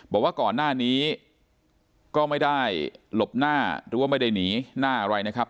บอกว่าก่อนหน้านี้ก็ไม่ได้หลบหน้าหรือว่าไม่ได้หนีหน้าอะไรนะครับ